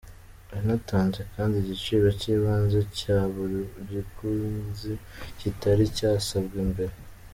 Yanatanze kandi igiciro cy’ibanze cya buri kiguzi, kitari cyasabwe mbere.